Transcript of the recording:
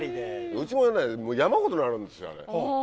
うちもね山ほどなるんですよあれ。